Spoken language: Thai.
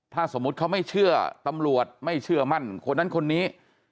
ถ้าสมมุติเขาไม่เชื่อตำรวจไม่เชื่อมั่นคนนั้นคนนี้